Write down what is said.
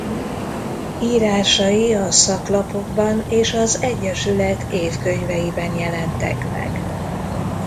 Írásai a szaklapokban és az egyesület évkönyveiben jelentek meg.